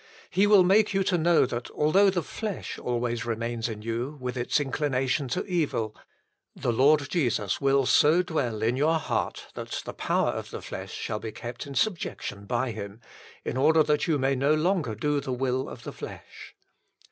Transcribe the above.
He will make you to know that, although the flesh always remains in you, with its inclination to evil, the Lord Jesus will so dwell in your heart that the power of the flesh shall be kept in HOW IT IS TO BE FOUND BY ALL 159 subjection by Him, in order that you may no longer do the will of the flesh.